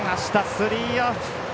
スリーアウト。